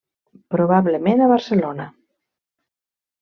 Probablement a Barcelona.